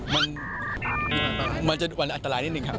มันมันจะอันตรายนิดนึงครับ